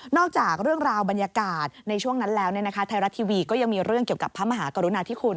จากเรื่องราวบรรยากาศในช่วงนั้นแล้วไทยรัฐทีวีก็ยังมีเรื่องเกี่ยวกับพระมหากรุณาธิคุณ